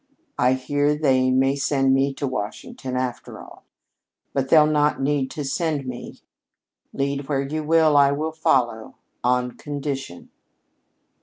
I hear they may send me to Washington, after all. But they'll not need to send me. Lead where you will, I will follow on condition!"